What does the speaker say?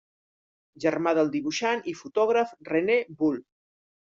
Germà del dibuixant i fotògraf René Bull.